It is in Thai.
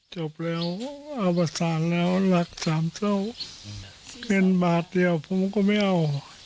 จบแล้วเอาประสานแล้วหลักสามเท่าเงินบาทเดียวผมก็ไม่เอา